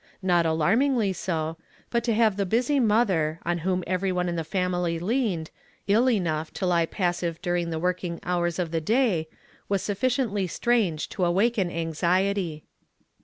Not alarmingly so; but to have the busy mother, on whom every one in the family leaned, ill enough to lie [)assive dui ing the working hours of the day, Avas sufficiently strange to awaken anxiety.